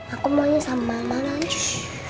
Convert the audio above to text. aku mau sama mama lanjut